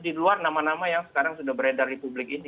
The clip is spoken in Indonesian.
di luar nama nama yang sekarang sudah beredar di publik ini